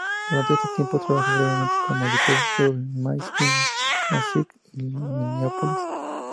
Durante ese tiempo trabajó brevemente como editor asociado del "Mystic Magazine", de Mineápolis.